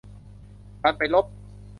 ดันไปลบ